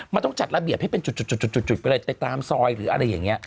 มันต้องจัดระเบียบให้เป็นจุดไปเลยไปตามซอยหรืออะไรอย่างนี้